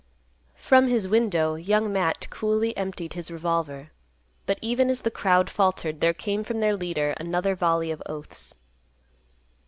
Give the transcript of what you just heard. From his window, Young Matt coolly emptied his revolver, but even as the crowd faltered, there came from their leader another volley of oaths.